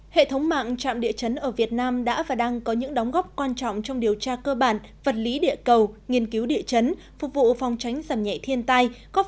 hệ thống mạng trạm địa chấn ở việt nam đã và đang có những đóng góp quan trọng trong điều tra cơ bản vật lý địa cầu nghiên cứu địa chấn phục vụ phòng tránh giảm nhẹ thiên tai